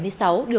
luật sửa đổi